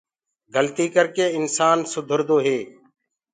گلتي ڪر ڪي انسآن سُڌردو هي۔